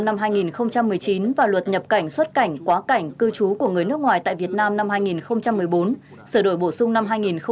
năm hai nghìn một mươi chín và luật nhập cảnh xuất cảnh quá cảnh cư trú của người nước ngoài tại việt nam năm hai nghìn một mươi bốn sửa đổi bổ sung năm hai nghìn một mươi bảy